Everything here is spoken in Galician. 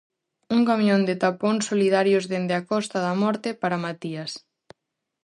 Un camión de tapóns solidarios dende a Costa da Morte para Matías.